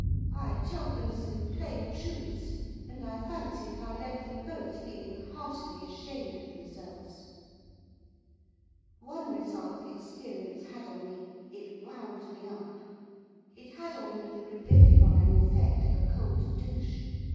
I told them some plain truths; and I fancy that I left them both feeling heartily ashamed of themselves. One result the experience had on me, it wound me up. It had on me the revivifying effect of a cold douche.